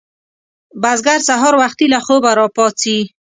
بزګر سهار وختي له خوبه راپاڅي